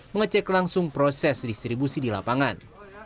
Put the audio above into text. mengecek langsung proses distribusi di lapangan